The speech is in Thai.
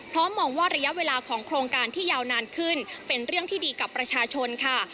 มองว่าระยะเวลาของโครงการที่ยาวนานขึ้นเป็นเรื่องที่ดีกับประชาชนค่ะ